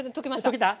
溶けた？